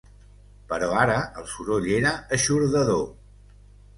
Però ara el soroll era eixordador